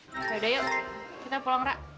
yaudah yuk kita pulang ra